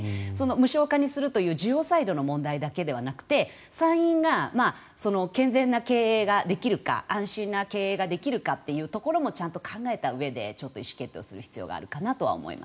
無償化にするという需要サイドの問題だけじゃなくて産院が健全な経営ができるか安心な経営ができるかというところもちゃんと考えたうえで意思決定する必要があるかなと思います。